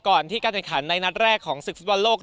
ก่อนที่การทนคันในนัดแรกของสิมสีบสัตว์วันโลก